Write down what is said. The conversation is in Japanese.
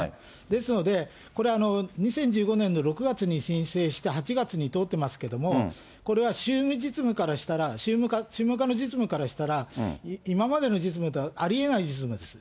ですので、これ、２０１５年の６月に申請して８月に通ってますけれども、これは宗務実務からしたら、宗務課の実務からしたら、今までの実務ではありえない実務です。